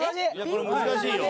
これ難しいよ。